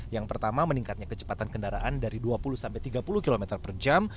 yang pertama meningkatnya kecepatan kendaraan dari dua puluh sampai tiga puluh km per jam